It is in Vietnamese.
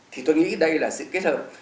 thì tôi nghĩ đây là sự kết hợp